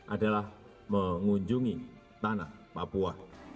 adalah mengunjungi tanah papua